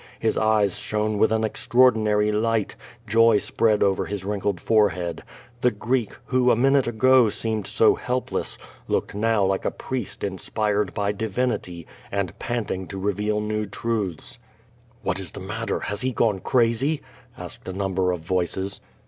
His eyes shone with an extraordinary light, joy spread over his wrinkled forehead. The Greek, who a minute ago seemed so helpless, looked now like a priest inspired by divinity and pcnting to reveal new truths. ^^What is the matter, has he gone crazy?" asked a number of voices.